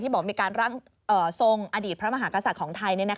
บอกมีการร่างทรงอดีตพระมหากษัตริย์ของไทย